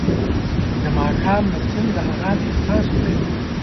د ماښام نسیم د آرام احساس ورکوي